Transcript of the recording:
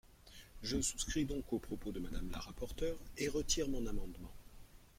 Je souscris donc aux propos de Madame la rapporteure, et retire mon amendement.